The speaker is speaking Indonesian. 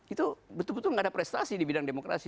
itu betul betul nggak ada prestasi di bidang demokrasi